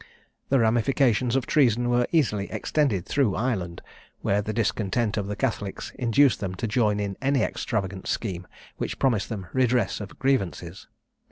The ramifications of treason were easily extended through Ireland, where the discontent of the Catholics induced them to join in any extravagant scheme which promised them redress of grievances.